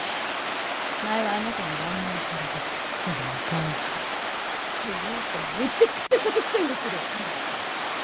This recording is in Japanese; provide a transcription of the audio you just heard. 前はあなたに乱入されたからそのお返し。っていうかめちゃくちゃ酒くさいんですけど！